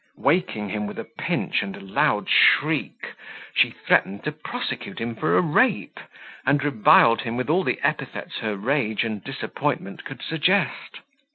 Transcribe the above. Waking him with a pinch and a loud shriek, she threatened to prosecute him for a rape, and reviled him with all the epithets her rage and disappointment could suggest.